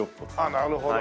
なるほど。